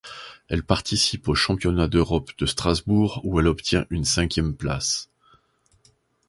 Elle participe aux championnats d'Europe de Strasbourg où elle obtient une cinquième place.